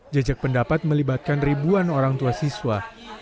jejak pendapat melibatkan ribuan orang tua siswa